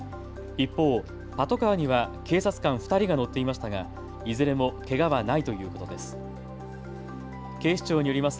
一方、パトカーには警察官２人が乗っていましたがいずれもけがはないということです。